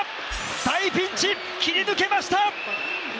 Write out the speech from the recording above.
大ピンチ、切り抜けました！